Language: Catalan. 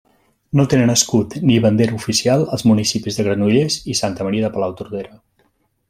No tenen escut ni bandera oficial els municipis de Granollers i Santa Maria de Palautordera.